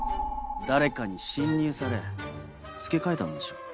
誰かに侵入され付け替えたのでしょう。